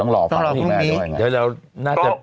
ต้องรอพรรคฮุ้มพี่